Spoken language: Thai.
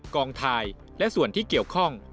กองถ่ายและส่วนที่เกี่ยวข้อง